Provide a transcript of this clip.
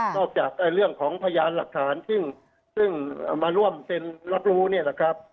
จากเรื่องของพยานหลักฐานซึ่งมาร่วมเซ็นรับรู้เนี่ยนะครับ